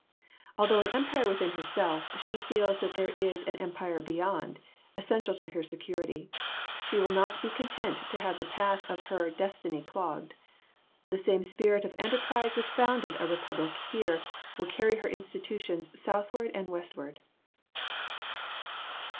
Although an empire within herself, she feels that there is an empire beyond, essential Houston to "t^ l^^i" security. She will not be content to have the jan!'7?i86i. path of her destiny clogged. The same spirit of en "Hmfse terprise which founded a republic here, will carry p. 39. ' her institutions southward and westward."